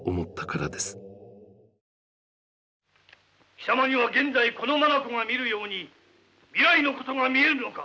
貴様には現在この眼が見るように未来のことが見えるのか？